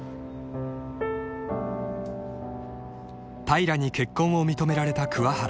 ［平に結婚を認められた桑原］